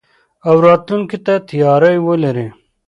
او راتلونکي ته تياری ولري.